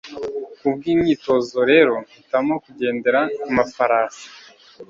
kubwimyitozo rero mpitamo kugendera kumafarasi